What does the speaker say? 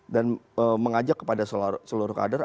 dan mengajak kepada seluruh kader